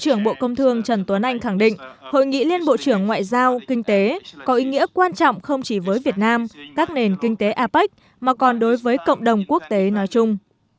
bộ công thương trần tuấn anh khẳng định hội nghị liên bộ trưởng ngoại giao kinh tế có ý nghĩa quan trọng không chỉ với việt nam các nền kinh tế apec mà còn đối với cộng đồng quốc tế nói chung